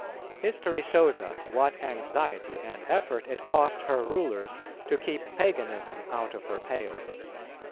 History shows us what anxiety and effort it cost her rulers to keep Paganism out of her pale.